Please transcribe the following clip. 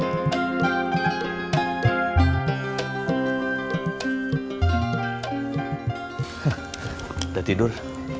ya udah tidur